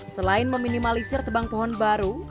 selain meminimalisir tebang pohon baru